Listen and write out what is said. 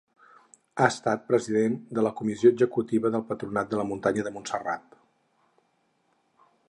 Ha estat president de la comissió executiva del Patronat de la Muntanya de Montserrat.